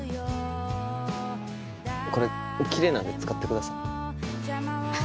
これきれいなんで使ってください。